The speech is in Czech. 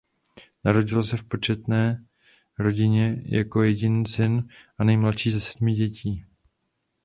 Narodil se v početné rodině jako jediný syn a nejmladší ze sedmi dětí.